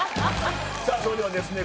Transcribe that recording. さぁそれではですね